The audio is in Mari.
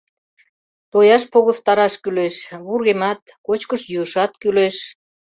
Тояш погыстараш кӱлеш... вургемат, кочкыш-йӱышат кӱлеш...